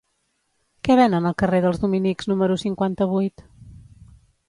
Què venen al carrer dels Dominics número cinquanta-vuit?